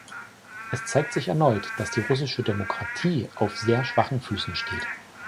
Es zeigt sich erneut, dass die russische Demokratie auf sehr schwachen Füßen steht.